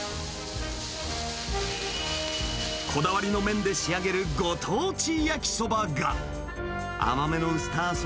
こだわりの麺で仕上げるご当地焼きそばが。